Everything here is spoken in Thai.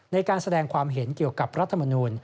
ในการแสดงความเห็นเกี่ยวกับรัฐมนูล